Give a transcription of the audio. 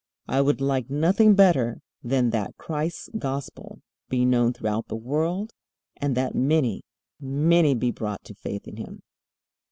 I would like nothing better than that Christ's Gospel be known throughout the world and that many, many be brought to faith in Him."